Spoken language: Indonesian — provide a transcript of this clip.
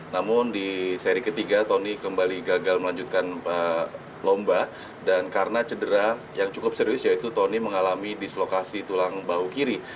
namun di seri ketiga tony kembali gagal melanjutkan lomba dan karena cedera yang cukup serius yaitu tony mengalami dislokasi tulang bau kiri